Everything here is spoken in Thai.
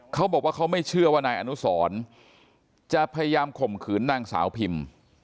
เขาบอกว่าเขาไม่เชื่อว่านายอนุสรจะพยายามข่มขืนนางสาวพิม